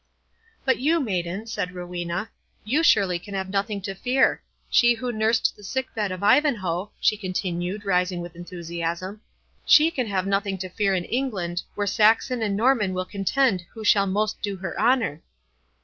"But you, maiden," said Rowena—"you surely can have nothing to fear. She who nursed the sick bed of Ivanhoe," she continued, rising with enthusiasm—"she can have nothing to fear in England, where Saxon and Norman will contend who shall most do her honour."